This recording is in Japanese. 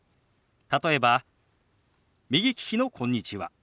例えば右利きの「こんにちは」。